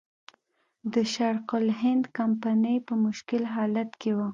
د شرق الهند کمپنۍ په مشکل حالت کې وه.